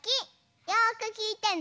よくきいてね。